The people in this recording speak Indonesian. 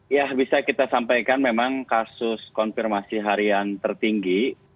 ya bisa kita sampaikan memang kasus konfirmasi harian tertinggi